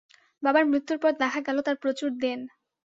বাবার মৃত্যুর পর দেখা গেল, তাঁর প্রচুর দেন।